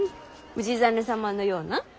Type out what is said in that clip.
氏真様のような？